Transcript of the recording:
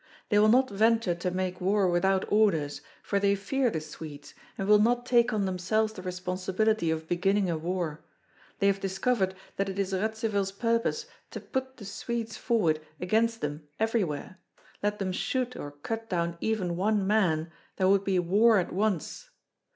They will not venture to make war without orders, for they fear the Swedes, and will not take on themselves the responsibility of beginning a war. They have discovered that it is Radzivill's purpose to put the Swedes forward against them everywhere; let them shoot or cut down even one man, there would be war at once.